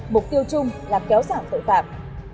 mục tiêu chung là kéo giảm tội phạm